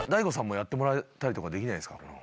やってもらったりとかできないですか？